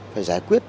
và giải quyết